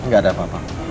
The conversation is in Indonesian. gak ada apa apa